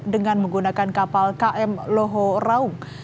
dengan menggunakan kapal km loho raung